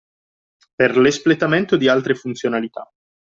Per l’espletamento di altre funzionalità